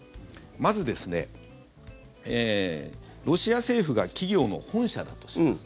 まず、ロシア政府が企業の本社だとします。